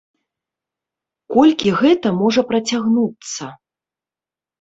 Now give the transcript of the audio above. Колькі гэта можа працягнуцца?